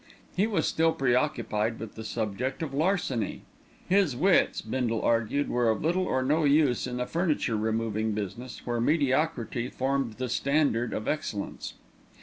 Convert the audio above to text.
He was still preoccupied with the subject of larceny. His wits, Bindle argued, were of little or no use in the furniture removing business, where mediocrity formed the standard of excellence.